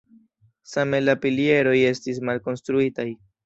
Same la pilieroj estis malkonstruitaj.